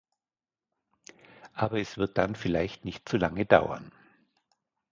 Aber es wird dann vielleicht nicht so lange dauern.